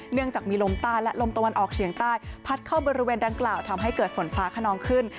เนื่องจากมีลมใต้และลมตะวันออกเฉียงใต้พัดเข้าบริเวณดังกล่าวทำให้เกิดฝนฟ้าขนองขึ้น